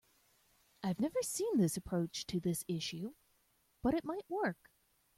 I have never seen this approach to this issue, but it might work.